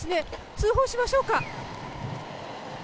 通報しましょうか。